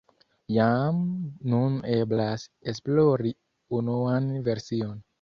Jam nun eblas esplori unuan version.